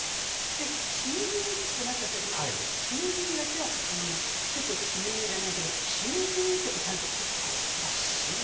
「しみじみ」ってなった時に「しみじみ」だけはちょっと民謡じゃないけど「しみじみ」ってちゃんとピッとこう出して。